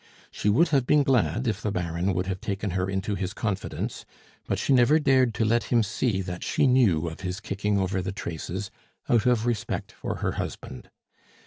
She would have been glad if the Baron would have taken her into his confidence; but she never dared to let him see that she knew of his kicking over the traces, out of respect for her husband.